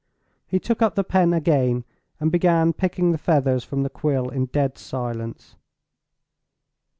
He took up the pen again, and began picking the feathers from the quill in dead silence.